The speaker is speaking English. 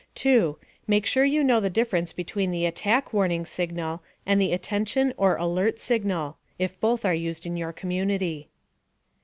2. Make sure you know the difference between the Attack Warning Signal and the Attention or Alert Signal (if both are used in your community).